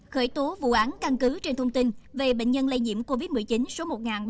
khởi tố vụ án căn cứ trên thông tin về bệnh nhân lây nhiễm covid một mươi chín số một nghìn ba trăm bốn mươi hai